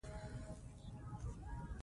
ازادي راډیو د د کانونو استخراج پرمختګ سنجولی.